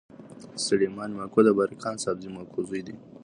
سلیمان ماکو د بارک خان سابزي ماکو زوی دﺉ.